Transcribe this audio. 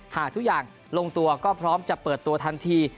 หากทุกอย่างลงตัวก็พร้อมจะเปิดตัวทันที